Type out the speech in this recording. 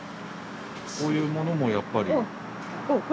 こういうものもやっぱり。